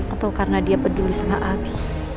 atau karena dia peduli sama abi